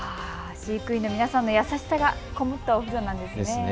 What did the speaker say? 飼育員の皆さんの優しさがこもったお風呂んですね。